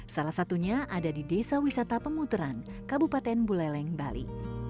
salah satunya ada di desa wisata pemuteran kabupaten buleleng bali